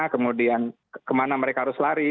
kemudian kemana mereka harus lari